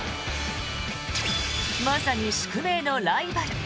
まさに宿命のライバル。